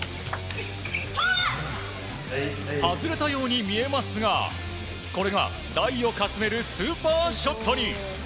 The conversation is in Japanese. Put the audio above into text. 外れたように見えますがこれが台をかすめるスーパーショットに。